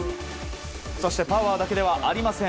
そしてパワーだけではありません。